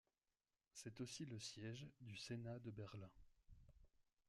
C'est aussi le siège du Sénat de Berlin.